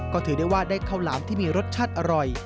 ก็ถือได้ว่าได้ข้าวหลามที่มีรสชาติอร่อย